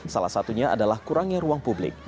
salah satunya adalah kurangnya ruang publik